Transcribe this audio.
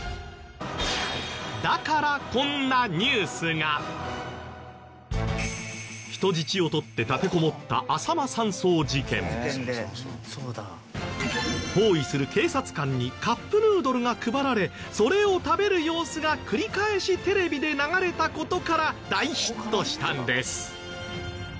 だから人質を取って立てこもった包囲する警察官にカップヌードルが配られそれを食べる様子が繰り返しテレビで流れた事から大ヒットしたんです。